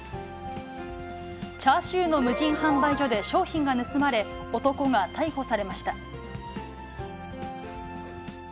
チャーシューの無人販売所で商品が盗まれ、男が逮捕されました。